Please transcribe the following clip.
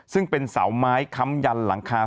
ซึ่งเป็นเสาไม้ค้ำยันหลังคา